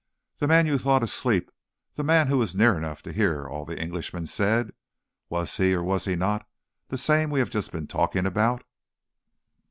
"The man you thought asleep the man who was near enough to hear all the Englishman said was he or was he not the same we have just been talking about?"